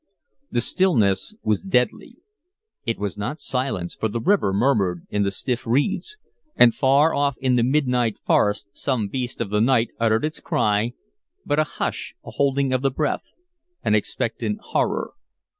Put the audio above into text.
The stillness was deadly. It was not silence, for the river murmured in the stiff reeds, and far off in the midnight forest some beast of the night uttered its cry, but a hush, a holding of the breath, an expectant horror.